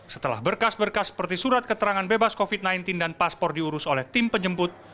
setelah berkas berkas seperti surat keterangan bebas covid sembilan belas dan paspor diurus oleh tim penjemput